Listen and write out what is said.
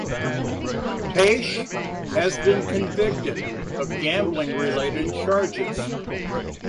Paetsch has been convicted of gambling-related charges.